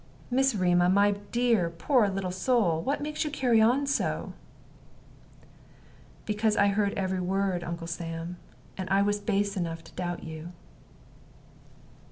"Miss Rema, my dear, my poor little soul, what makes you carry on so?" "Because I have heard every word, Uncle Sam, and I was base enough to doubt you."